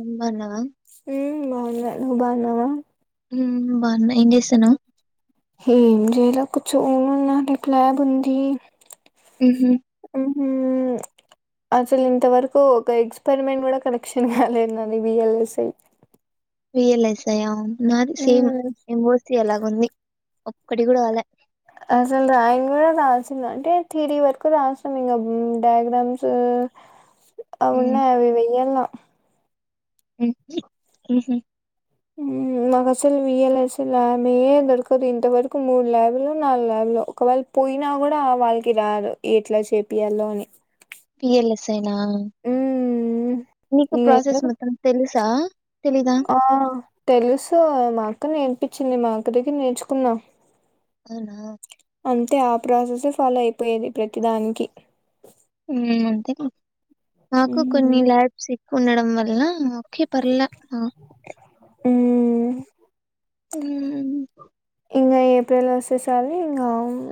అమన [unintelligible] ఉ బాగున్న నువ్ బాగున్నావా ఉ బాగున్నా ఏంచేస్తున్నావ్ హి జలా కు ఉ రిపల బుంది హుహు. [unintelligible] హుహు అసలు ఇంతవరకు ఒక ఎక్స్పెరిమెంట్ కూడా కనెక్షన్ కాలేదు అది బిఎల్ఎస్ఐ విఎల్ఎస్ నాది సేమ్ ఎంఓస అలాగ ఉంది ఒక్కటి కూడా అలా [unintelligible] అసలు రా్రాయింగ్ కూడా రాల్సింది అంటే థిరీ వరకు రాసాం ఇంకా డయాగ్రామ్స్ ఉ అవున్న హ్మ్. అవి వెయ్యల్లా హుహు మాకు అసలు వియల్ అసలు ల్యాభ దొరకదు ఇంతవరకు మూడు ల్యాబ్లు నాలుగు ల్యాబ్లు ఒకవేళ పోయినా కూడా వాళ్ళకి రదు ఎట్లా చేపియాలో అని పిలయిస్ ఎన ఉ నను తెలుసా? తెలీదా? ఆ తెలుసు మాకు నేను ఇప్పించింది మా అక్క దగ్గర నేర్చుకున్నా అవునా అంతే ఆ ప్రాసెసే ఫాలో అయిపోయేది ప్రతిదానికి అంతే మాకు కొన్ని ఉమ్ ల్యాబ్స్ ఎక్కు ఉండడం వల్ల ఓకే పర్ల ఉమ్ హూ ఇం ఏప్రిల్ వస్తేసాలు ఇకా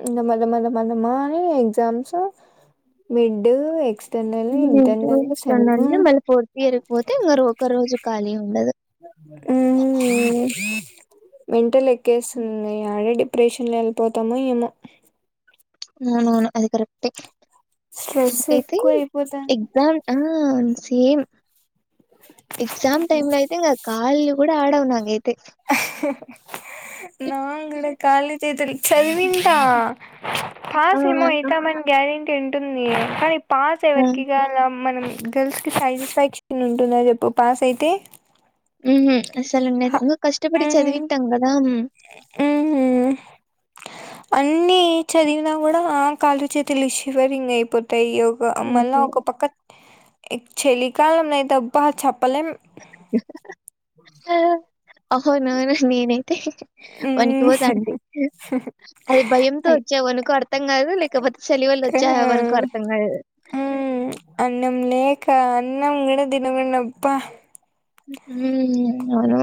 ఇ మద మద మదమా అని exams mid X two years ఉండండి మళ్ళీ ఫోర్త్ ఇయర్ పోతే ఇరు ఒక రోజు ఖాళీ ఉండదు ఊ మెంటల్ ఎక్కేస్తున్నా ఆడెడి ఆపరేషన్లో వెళ్ళిపోతాము ఏమో అవునవును అది కరెక్టే స్ట్రెస్ నాకైతే ఎక్కువ అయిపోతాంది ఎగ్జామ్ హ్మ్ సేమ్ ఎక్సామ్ టైమ్ లో అయితే ఇకా క కూడా ఆడవవు నాంగైయితే నా కూడా కూడా కాళ్లుచేతులు చదివింటా ఆ పాస్ ఏమో ఎయితామని గ్యారెంటీ ఉంటుంది కానీ పాస్ ఆ ఎవరికిగా అలా మనం గర్ల్స్ కి సాటిస్ఫాక్షన్ ఉంటుందా చెప్పు పాస్ అయితే ఊహు అస్సలు ఉండదు ఎందుక కష్టపడి చదివి ఉంటూం కదా ఊహు అన్నిీ చదివినా కూడ కాలు చేతులు చివరి ఇంగ్ అయిపోతు తయి ఒక మళ్ళ ఓకే ఒక పక్క చలికాలం అయితే అబ్బా చ పలెం అహో నోను నేనైతే వనికిపోతాండి అది భయంతో వచ్చె వనుకో అర్థం కాదు లేకపోతే చలివళ వచ్చె వనుకో అర్థం కాదు అన్నం లేక అన్నం కూడ దినకుండా అబ్బ ఉమ్ అవును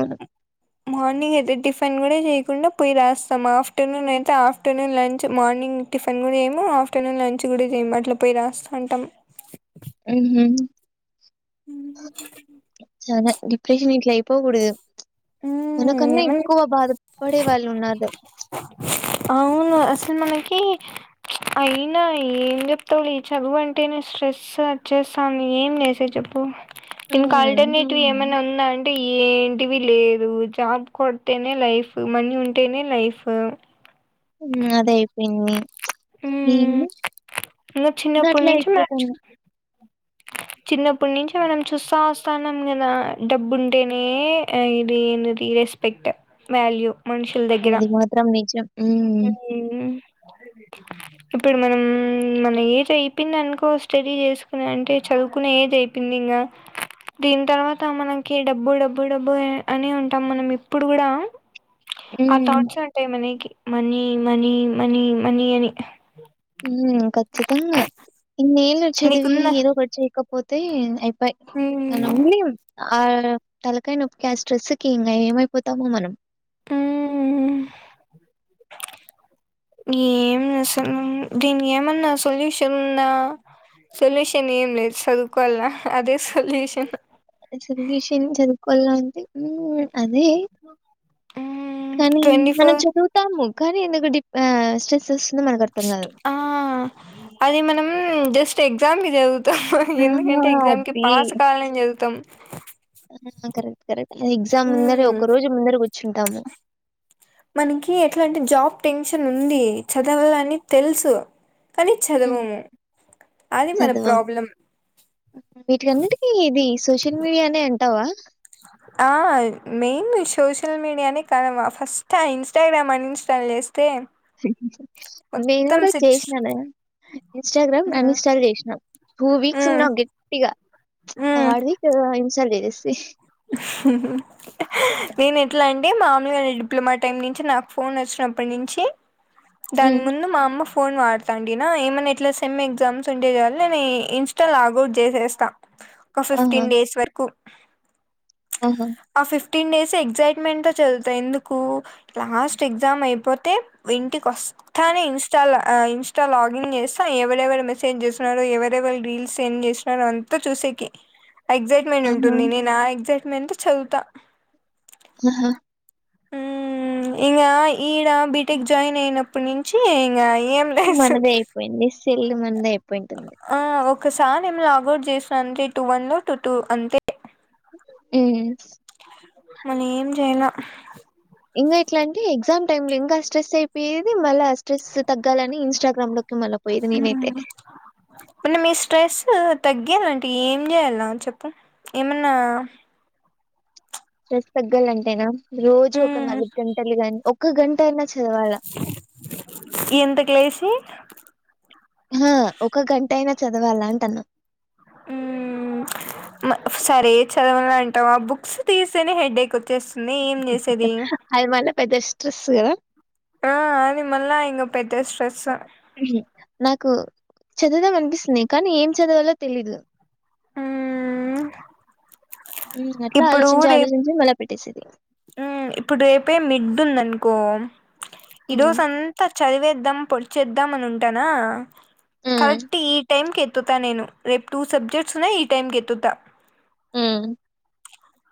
మార్నింగ్ అయితే టిఫిన్ కూడ చేయకుండా పోయి రాస్తాం ఆఫ్టర్నూన్ అయితే ఆఫ్టర్నూన్ లంచ్ మార్నింగ్ టిఫిన్ కూడ ఏమో ఆఫ్టర్నూన్ లంచ్ కూడా చేయము అట్లా పోయి రాస్తా అంటాం ఉహు సరే డిప్రెషన్ ఇట్లాయిపోకూడదు ఉమ్ మనకన్నా ఏమన్ ఎక్కువ బాధపడే వాళ్ళు ఉన్నారు అవును అసలు మనకి అయిన ఏం చెప్తావు లె ఈ చదువు అంటే నేను స్ట్రెస్ వచ్చేస్తాను ఏం నేసే చెప్పు ఇంక ఆల్టర్నేటివ్ ఏమైనా ఉంద అంటే ఏంటివి లేదు జాబ్ కొడ్తేనే లైఫ్ మనీ ఉంటేనే లైఫ్ అదే అయిపోయింది. ఉమ్ ఏమో ఇంగ చిన్నప్పటి గట్ల అయిపో చిన్నప్పుటి నుంచి మనం చూస్తా వస్తాన్నాం కదా డబ్బు ఉంటేనే ఇది ఏంద రెస్పెక్ట్ వాల్యూ అది మాత్రం నిజం హ్మ్. అదెండి ఇప్పుడు మనం మన ఏజ్ అయిపోంది అనుకో స్టడీ చేసుకుని అంటే చదువుకునే ఏజ్ అయిపోంది నింగ దీని తర్వాత మనకి డబ్బు డబ్బు డబ్బు అని ఉంటాం మనం ఇప్పుడు కూడా ఆ హ్మ్. థాట్స్ ఉంటయి మనకి మనీ మనీ మనీ మనీ అని ఖచ్చితంగ ఇన్ని ఏల్ల్ చదివి నీకుందా ఏదో ఒకటి చేయకపోతే అయి పై ఉమ్ ఉనలేం ఆ తలకాయ నొప్పికి ఆ స్ట్రెస్ కి ఇంకా ఏమైపోతామో మనం ఉహ్ ఈ ఏం అసల దీనికి ఏమన్నా సొల్యూషన్ ఉంద సొల్యూషన్ ఏం లేదు చదుకోవాల్న అదే సొల్యూషన్ సొల్యూషన్ చదువుకోల అంటే అదే కానీ ట్వంటీ మనం ఫోర్ చదువుతాము కానీ ఎందుకు డిప్ ఆ స్ట్రెస్ మనకర్థం కాదు. ఆ అది మనం జస్ట్ ఎగ్జామ్కి చదువుతు ఆహా! ఎందుకంటే ఎగ్జామ్కి అది. పాస్ కావాలని చదువుతాం కరెక్ట్ కరెక్ట్ ఎగ్జామ్ ముందర మ్మ్. ఒక రోజు ముందర కూర్చుంటాము మనకి ఎట్లా అంటే జాబ్ టెన్షన్ ఉంది చదవాలని తెలుసు కానీ చదవము అది మన చదువు ప్రాబ్లం వీట్ కొన్నిటికి ఇది సోషల్ మీడియానే అంటావ ఆ మెయిన్ సోషల్ మీడియానే కారణం ఫస్ట్ ఆ ఇన్స్టాగ్రామ్ అని ఇన్స్టాల్ చేస్త నేను కూడ సిచ్ చేసినానం ఇన్స్టాగ్రామ్ అన్ ఇన్స్టాల్ చేసినా టూ వీక్స్ ఉన్నా గట్టిగా హార్డ్ వి ఏదో ఇన్ సేల్యూషన్ షే నేను ఎట్లా అ మా మీద డిప్లొమా టైమ్ నుంచి నాకు ఫోన్ వచ్చినప్పటి నుంచి దాని ఉమ్, ముందు మా అమ్మ ఫోన్ వాడతాండినా ఏమైన్నా ఎట్లా సమ్ ఎగ్జామ్స్ ఉంటే చాలా నేను ఇన్స్టా లాగౌట్ చేసేస్తాను ఒక ఆహా ఫిఫ్టీన్ డేస్ వరకు ఆహా ఆఫిస్ ఫిఫ్టీన్ డేస్ ఎగ్జైట్మెంట్తో చదువుతాయి ఎందుకు లాస్ట్ ఎగ్జామ్ అయిపోతే ఇంటికి వస్తా థానీ ఇన్స్టాల్ ఆ ఆ ఇన్స్టా లాగిన్ చేస్తా ఎవరెవరు మెసేజ్ చేస్తున్నారు ఎవరెవరు రీల్స్ సెండ్ చేస్తురో అంతా చూస కే ఎక్సైట్మెంట్ ఆహా ఉంటుంది నేను ఆ ఎక్సైట్మెంట్ చదువుతా ఆహా ఇగ ఈడ బీటెక్ జాయిన్ అయినప్పటి నుంచి ఇ మనదే అయిపోయింది సెల్ మనదే అయిపోయింటంది ఆ ఒకసారి ఏమ లాంగ్ అవుట్ చేసా అంతే టూ వన్ లో టూ టూ అంతే హు నేను ఏం చేయాల ఇంకా ఎట్లాంటే ఎగ్జామ్ టైమ్ లో ఇంకా స్ట్రెస్ అయిపోయేది మళ్ళ ఆ స్ట్రెస్ తగ్గాలని ఇంస్టాగ్రామ్ లో హు మిన్నా స్ట్రెస్ ఆ తగ్గియాలంటే ఏం చేయాలి నా చెప్పు ఏమన్నా స్ట్రెస్ తగ్గాలంటే నా రోజు ఒక మ్మ్ నాలుగు గంటలు గాని ఒక గంట అయినా చా ఎంతకు లేసి ఆహ ఒక గంట అయినా చదవాలా అంట అన్నా ఊ మా సరే చదావమంటావా బుక్స్ తీసేనే హెడేక్ వచ్చేస్తుంది ఏం చేసేది అది మల్ల పెద్ద స్ట్రెస్ కదా ఆ అది మల్ల ఇంగా పెద్ద స్ట్రెస్ నాకు చదవుదాం అనిపిస్తుంది కానీ ఏం చదవాలో తెలియదు ఊ హు అట్లా ఆలోచించి ఆలోచించి మళ్ళ పెట్టేసిది హు ఇప్పుడు రేపే మిడ్డు ఉందనుకో ఈ హ్మ్. రోజు అంతా చదివేద్దాం పొడిచేద్దాం అని ఉంటానా హ్మ్. కరెక్ట్ ఈ టైంకి ఎత్తుత నేను రేపు టూ సబ్జెక్ట్స్ ఉన్నాయి ఈ టైం కి ఎత్తుతా హు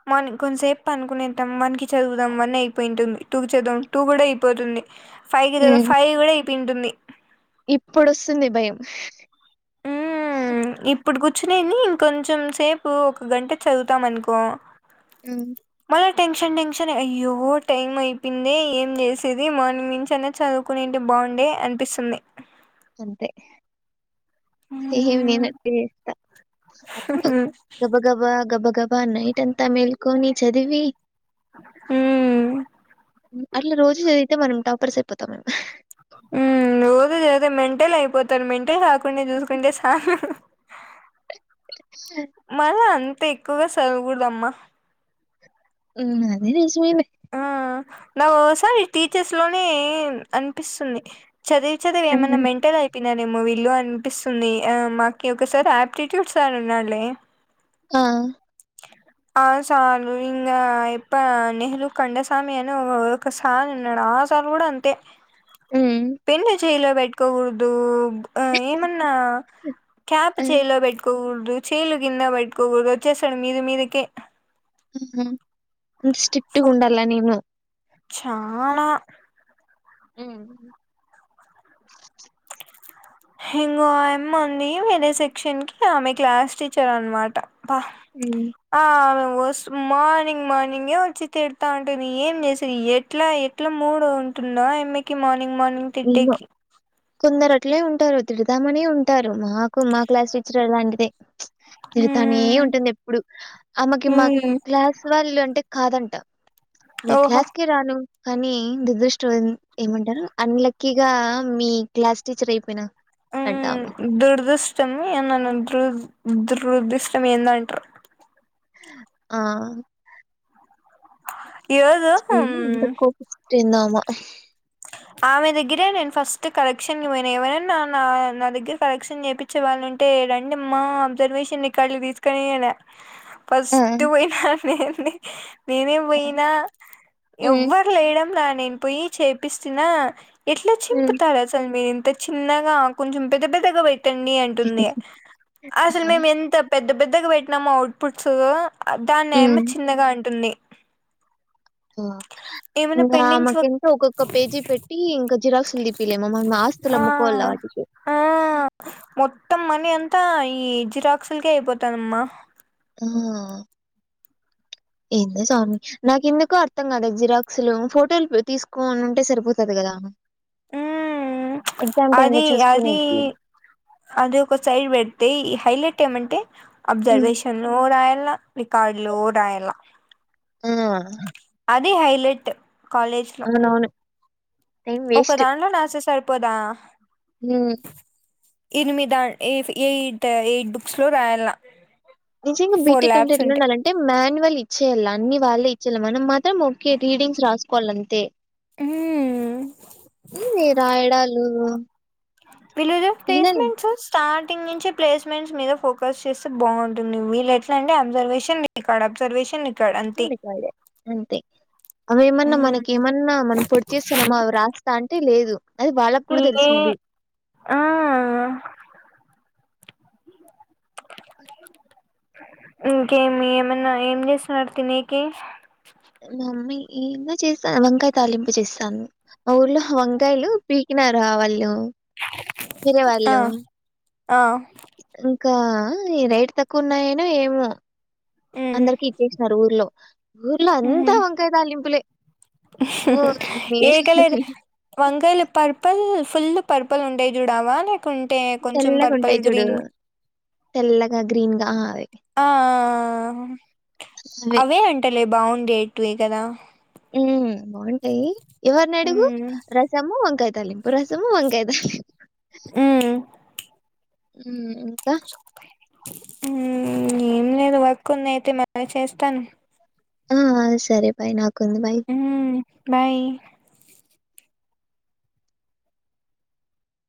మని కొంచసేపు పండుకునే టం వన్ కి చదువుదాం వన్ అయిపోయింటంది టూ కు చదువుదం టూ కూడా అయిపోతుంది ఫైవ్ కి చదువుదాం ఫైవ్ కూడా అయిపోయి ఉంటుంది ఇప్పుడు వస్తుంది భయం హు ఇప్పుడు కూర్చునేంది ఇంకొంచెం సేపు ఒక గంట చదువుతాం అనుకో హు చా టెన్షన్ టెన్షన్ అయ్యో టైం అయిపోయింది ఏం చేసేది మార్నింగ్ నుంచి అనే చదువుకునే ఉంటే బాగుండే అనిపిస్తుంది అంతే సేమ్ నేను మ్మ్ అట్నే చేస్తా అప్పుడు ఉమ్ గబగబా గబ గబా నైట్ అంతా మేల్కొని చదివి హు అట్లా రోజు చదివితే మనం టాపర్స్ అయిపోతాం ఏమో అదే మెంటల్ అయిపోతాది మెంటల్ కాకుండా చూసుకుంటే చాల మల్ల అంత ఎక్కువగా చదువుకూడా అమ్మ హు అది నిజమేలే ఆ నాకు ఒసారి టీచర్స్ లోనే అనిపిస్తుంది చదివి చదివి ఏమన్నా ఆహా! మెంటల్ అయిపో ఇనని మూవీలు అనిపిస్తుంది ఆ మాకి ఒకసారి ఆప్టిట్యూడ్స్ సర్ ఉన్నాడ్లే ఆ అ ఆ స ఇం ఇప్ప నెహలు కండసమి ఒ ఒక సారు ఉన్నడా ఆ సా సర్ కూడ అంతే హ్మ్. పెన్ను చైలో బెట్కూకూడదు ఆ ఏమన్నా క్యాప్ ఆ! చేయిల పెట్టుకోక్ రు చేలు కింద బెట్టుకోకూడదు వచ్చేసాడు మీద మీదకే ట్టిిగుండల నీను చాలా ఊ హింగో అమ్మె ఉంది వేరే సెక్షన్ కి ఆమె క్లాస్ టీచర్ అనమాట ప హ్మ్. అవు ఒస్ మార్నింగ్ మార్నింగే వచ్చి తిడతా ఉంటుంది ఏం చేసేది ఎట్లా ఎట్లా మూడో తుండో అమ్మకి మార్నింగ్ మార్నింగ్ ఏమో. తిట్టేకి కొందరు అట్లే ఉంటారు తిడదామనే ఉంటారు మాకు మా క్లాస్ టీచర్ అలాంటిదే ప్చ్ తిడతనే మ్మ్ ఉంటుంది ఎప్పుడు ఆమెకి మా మ్మ్ క్లాస్ వాళ్ళు అంటే కాదంట మీ ఓహో క్లాస్కి రాను కానీ దుదృష్టం ఏమంటారు అన్ లక్కీగా మీ క్లాస్ టీచర్ అయిపోయిన ఊ దురదుష్టమ్ ఏనన్న ద్రుర్ ద్రు దుర్దద్రుష్టం ఏందంటారు ఆ ఈరోజు ఏ ఇంత కోపిష్టెందో ఆమ ఆమె దగ్గరే నేను ఫస్ట్ కలెక్షన్ కి పోయినా ఎవరనా నా దగ్గర కలెక్షన్ చేపిచ్చే వాళ్లు అంటే రండి మా అబ్జర్వేషన్ రికడ్లు తీసుకొని అట ఆ! ఫస్ట్ పోయినా నేన్ నేనే ఆ! పోయినా హ్మ్. ఎవ్వరు లేయడం లా నేన్ పోయి చేపిస్తున ఎట్లా హ్మ్. చింపుతారు అసలు మీర్ తె చిన్నగా కొంచెం పెద్ద పెద్దగా పెట్టండి అంటుంది ఆ! అసలు మేము ఎంత పెద్ద పెద్దగా పెట్టినము అవుట్పుట్స్ దాన్ని ఆమె హ్మ్. చిన్నగా అంటుంది ఆ ఏమైనా ఇంకా పెండింగ్స్ వర్క్ ఆమకింకా ఒక్కొక్క పేజీ పెట్టి ఇంకా జిరాక్స్ దీ పిలే మమ్ మాస్తులు ఆ అముకోల వాటికి ఆ మొత్తం మనీ అంతా ఈ జిరాక్సులకే అయిపోతానమ్మా ఆ ఏందో స్వామి నాకు ఎందుకో అర్థం కదా జిరాక్స్లు ఫోటోలు తీసుకోని ఉంటే సరిపోతది కదా ఊ ప్చ్ ఎగ్జామ్ టైమ్ అది లో అది చూసుకునేకి అది ఒక సైడ్ పెడితే ఈ హైలెట్ తెమంటే అబ్జర్వేషన్లు రాయాల రికార్డులు రాయాల ఆ అది హైలెటు కాలేజ్ లో అవునవును టైం ఒక వేస్ట్ దాంట్లో నాసే సరిపోదా ఎనిమిద ఎఫ్ ఎయిట్ ఎయిట్ బుక్స్ లో రాయాల నిజంగా ఫోర్ బీటెక్ అంటే ల్యాబ్స్ ఉంటాయి ఎట్లుండాలంటే మాన్యువల్ ఇచ్చేయాలి అన్ని వాళ్ ఇచ్చేయాల మనం మా తె మొక్కే రీడింగ్స్ రాసుకోవాలంతే ఆవున ఈ రాయడాలు విలేజ్ ఆఫ్ పిల్లలు ప్లేస్మెంట్స్ స్టార్ట్ థింగ్ నుంచె ప్లేస్మెంట్స్ మీద ఫోకస్ చేస్తే బాగుంటుంది వీళ్ళు ఎట్లంటే అబ్జర్వేషన్ రికార్డ్ అబ్సర్వే ఇచ్చింది కాల్ జెయ్ అంతే అవి ఏమన్నా ఉమ్ మనకి ఏమన్నా మనం పొడి చేస్తున్నామా అవి రాస్తా అంటే లేదు అది వాళ్ళకు కూడా ఇంగో తెలుసు మళ్ళీ ఆ ఆ ఇంకేమి ఏమన్నా ఏం చేస్తున్నారు తినేకి? మమ్మీ ఇంకా చేస్తా వంకాయ తాలింపు చేస్తాంది మా ఊర్లో వంకాయలు పీకినార వాళ్ళు వేరే ఆ వాళ్ళు ఆ ఇంకా ఈ రేట్ తక్కువ ఉన్నాయనో ఏమో? ఉమ్ అందరికి ఇచ్చేసినారు ఊర్లో ఊర్లో అంతా వంకాయ్ తాలింపులే ఓ నీ ఏకలర్ వంకాయలు పర్పల్ ఫుల్ పర్పల్ ఉంటాయ్ చూడు అవా లేకుంటే కొంచెం తెల్లగా పర్పల్ ఉంటాయి చూడు గ్రీన్ తెల్లగా గ్రీన్ గా ఆ అవే ఆ ఆ ఆ అవే అంట లే బాగుండేటివే కదా ఉమ్ బాగుంటాయి ఎవర్ని అడుగు ఉమ్ రసము వంకాయ్ తాలింపు రసము వంకాయ తాలింపు ఉమ్ ఉమ్ ఇంకా ఉమ్ ఏం లేదు వర్క్ ఉంది అయితే మళ్ళీ చేస్తాను. అమ్ ఆ సరే బాయ్ నాకు ఉమ్ బాయ్